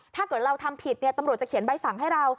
ถ้าเกิดเราทำผิดตำรวจจะเขียนใบสั่งให้เรา